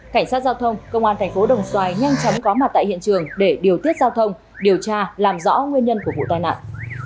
cảnh sát giao thông công an thành phố đồng xoài nhanh chóng có mặt tại hiện trường để điều tiết giao thông điều tra làm rõ nguyên nhân của vụ tai nạn